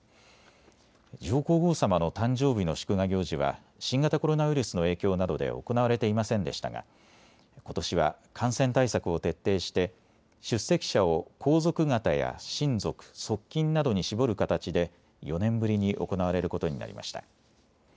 上皇后さまの誕生日の祝賀行事は新型コロナウイルスの影響などで行われていませんでしたがことしは感染対策を徹底して出席者を皇族方や親族、側近などに絞る形で４年ぶりに行われることになりました。